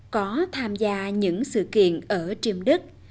có tham gia những sự kiện ở triêm đức